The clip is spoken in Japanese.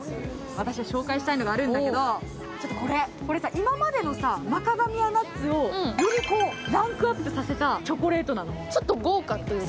私は紹介したいのがあるんだけどちょっとこれこれさ今までのマカダミアナッツをよりランクアップさせたチョコレートなのちょっと豪華っていうこと？